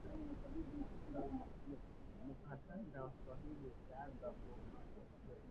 Mukatanga swahili inaanza potea